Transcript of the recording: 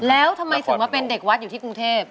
แล้วทำไมถึงมาเป็นเด็กวัดอยู่ที่กรุงเทพ